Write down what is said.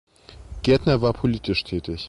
Gärtner war politisch tätig.